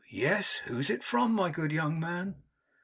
Yes. Who's it from, my good young man?